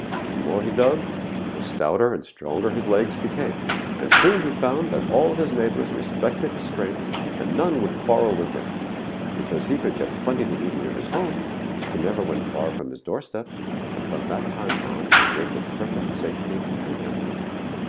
The more he dug, the stouter and stronger his legs became, and soon he found that all his neighbors respected his strength, and none would quarrel with him. Because he could get plenty to eat near his home, he never went far from his doorstep, and from that time on he lived in perfect safety and contentment.